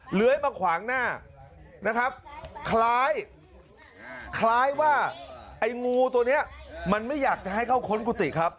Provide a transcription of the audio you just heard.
เหลือยมาขวางหน้านะครับคล้ายว่าไอ้งูตัวนี้มันไม่อยากจะให้เข้าค้นกุฏิครับ